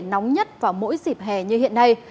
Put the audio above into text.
nóng nhất vào mỗi dịp hè như hiện nay